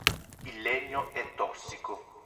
Il legno è tossico.